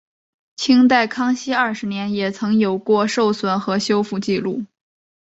清代康熙二十年也曾有过受损和修复纪录。